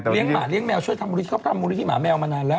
เลี้ยงหมาเลี้ยงแมวช่วยทำมูลิธิเขาทำมูลิธิหมาแมวมานานแล้ว